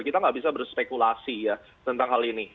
kita nggak bisa berspekulasi ya tentang hal ini